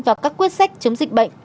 và các quyết sách chống dịch bệnh